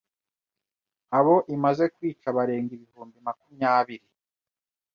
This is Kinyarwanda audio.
abo imaze kwica barenga ibihumbi makumyabiri.